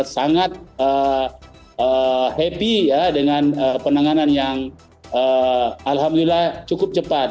sangat happy ya dengan penanganan yang alhamdulillah cukup cepat